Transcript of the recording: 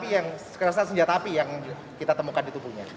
yang kekerasan senjata api yang kita temukan di tubuhnya